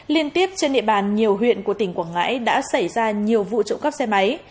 liên tiếp trên địa bàn nhiều huyện của tỉnh quảng ngãi đã xảy ra nhiều vụ trộm cắp xe máy